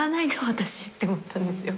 私って思ったんですよ。